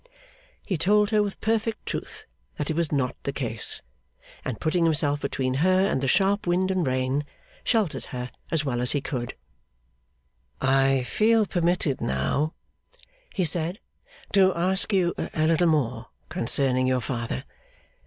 He told her with perfect truth that it was not the case; and putting himself between her and the sharp wind and rain, sheltered her as well as he could. 'I feel permitted now,' he said, 'to ask you a little more concerning your father.